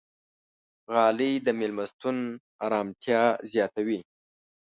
غالۍ د میلمستون ارامتیا زیاتوي.